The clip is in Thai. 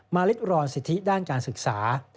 ลิดรอนสิทธิด้านการศึกษา